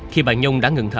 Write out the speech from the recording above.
khi bà nhung đã ngừng thở